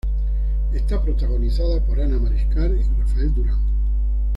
Está protagonizada por Ana Mariscal y Rafael Durán.